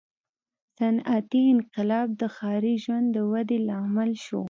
• صنعتي انقلاب د ښاري ژوند د ودې لامل شو.